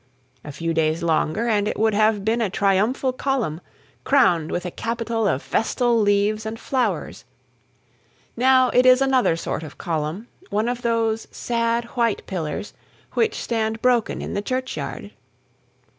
A few days longer, and it would have been a triumphal column, crowned with a capital of festal leaves and flowers: now it is another sort of column one of those sad white pillars which stand broken in the churchyard.